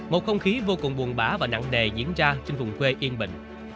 một không khí vô cùng buồn bã và nặng đề diễn ra trên vùng quê yên bệnh